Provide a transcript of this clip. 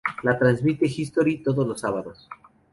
La transmite History todos los sábados.